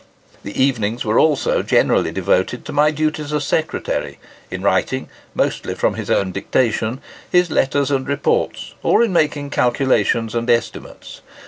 The evenings were also generally devoted to my duties as secretary, in writing (mostly from his own dictation) his letters and reports, or in making calculations and estimates.